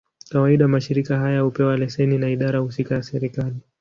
Kawaida, mashirika haya hupewa leseni na idara husika ya serikali.